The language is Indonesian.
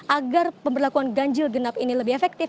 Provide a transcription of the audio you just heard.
agar pemberlakuan ganjil genap ini lebih efektif